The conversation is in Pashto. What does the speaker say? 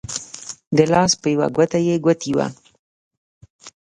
د لاس په يوه ګوته يې ګوتې وه